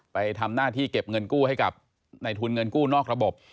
ไปทำหน้าที่เก็บเงินกู้ให้กับในทุนเงินกู้นอกระบบ